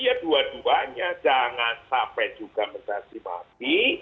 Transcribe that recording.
ya dua duanya jangan sampai juga mezazi maghi